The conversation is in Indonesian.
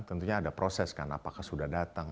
tentunya ada proses kan apakah sudah datang